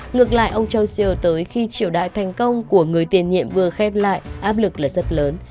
ngược lại ông chausseur tới khi triều đại thành công của người tiền nhiệm vừa khép lại áp lực rất lớn